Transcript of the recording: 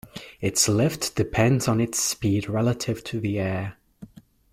Its lift depends on its speed relative to the air.